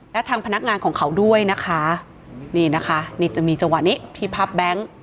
และทางพนักงานของเขาด้วยนะคะนี่นะคะนี่จะมีจังหวะนี้ที่พับแบงค์